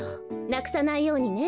なくさないようにね。